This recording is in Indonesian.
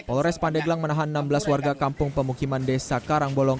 polres pandeglang menahan enam belas warga kampung pemukiman desa karangbolong